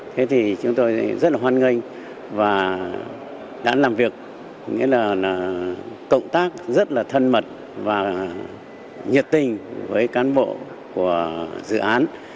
thế thì chúng tôi rất là hoan nghênh và đã làm việc nghĩa là cộng tác rất là thân mật và nhiệt tình với cán bộ của dự án